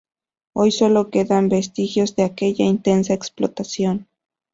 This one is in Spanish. Hoy solo quedan vestigios de aquella intensa explotación.